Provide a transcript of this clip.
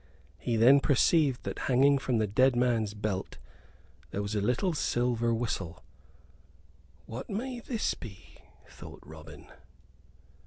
He then perceived that, hanging from the dead man's belt, there was a little silver whistle. "What may this be?" thought Robin.